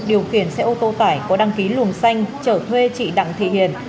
điều khiển xe ô tô tải có đăng ký luồng xanh trở thuê chị đặng thị hiền